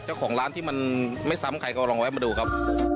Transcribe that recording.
เจ้าของร้านที่มันไม่ซ้ำใครก็ลองแวะมาดูครับ